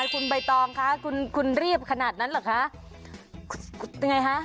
คุณใบตองค่ะคุณรีบขนาดนั้นหรือคะ